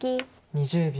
２０秒。